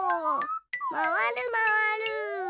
まわるまわる。